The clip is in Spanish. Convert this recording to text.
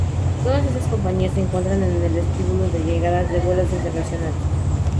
Todas estas compañías se encuentran en el vestíbulo de llegadas de vuelos internacionales.